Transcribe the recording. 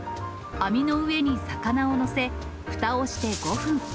網の上に魚を載せ、ふたをして５分。